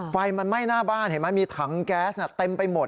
ไฟมันไหม้หน้าบ้านเห็นไหมมีถังแก๊สเต็มไปหมด